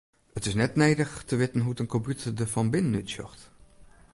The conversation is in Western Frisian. It is net nedich te witten hoe't in kompjûter der fan binnen útsjocht.